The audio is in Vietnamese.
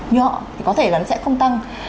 nhọ thì có thể là nó sẽ không tăng